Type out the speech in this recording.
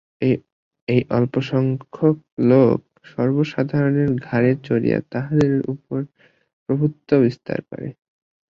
এই অল্পসংখ্যক লোক সর্বসাধারণের ঘাড়ে চড়িয়া তাহাদের উপর প্রভুত্ব বিস্তার করে।